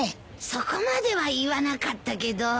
そこまでは言わなかったけど。